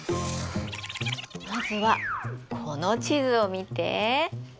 まずはこの地図を見て。